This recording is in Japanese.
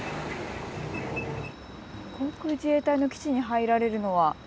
航空自衛隊の基地に入られるのは？